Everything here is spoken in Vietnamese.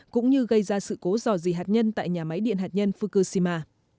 cũng như gây ra sự cố dò dì hạt nhân tại nhà máy điện hạt nhân fukushima